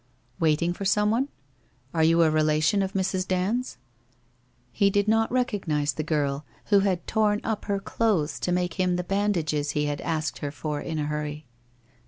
'Waiting for someone? Are you a relation of Mrs. Hand's? ' He did not recognize the girl who had torn up her clothes to make him tbe bandages he had asked her for in a hurry.